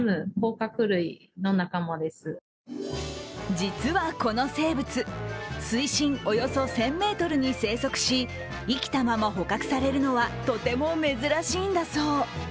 実はこの生物、水深およそ１０００ｍに生息し、生きたまま捕獲されるのは、とても珍しいんだそう。